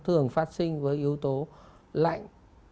thường phát sinh với yếu tố lạnh